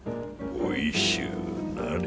おいしゅうなれ。